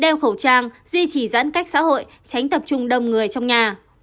đeo khẩu trang duy trì giãn cách xã hội tránh tập trung đông người trong nhà